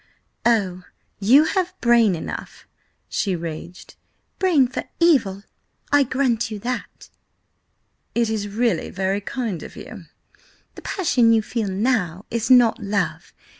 "Oh, you have brain enough!" she raged. "Brain for evil! I grant you that!" "It is really very kind of you—" "The passion you feel now is not love.